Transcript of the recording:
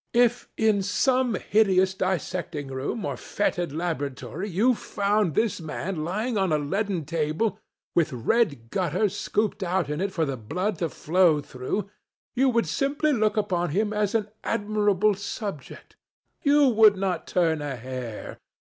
If in some hideous dissecting room or fetid laboratory you found this man lying on a leaden table with red gutters scooped out in it for the blood to flow through, you would simply look upon him as an admirable subject. You would not turn a hair.